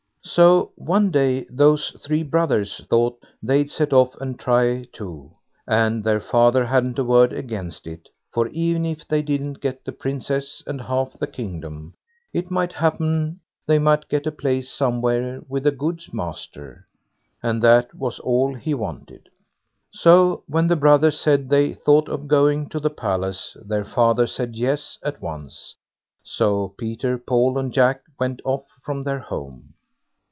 So one day those three brothers thought they'd set off and try too, and their father hadn't a word against it; for even if they didn't get the Princess and half the kingdom, it might happen they might get a place somewhere with a good master; and that was all he wanted. So when the brothers said they thought of going to the palace, their father said "yes" at once. So Peter, Paul, and Jack went off from their home.